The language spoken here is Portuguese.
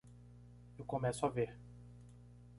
Eu começo a ver.